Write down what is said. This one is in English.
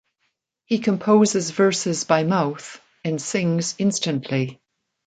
He composes verses by mouth and sings instantly.